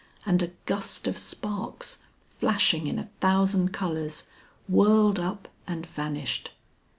And a gust of sparks, flashing in a thousand colours, whirled up and vanished.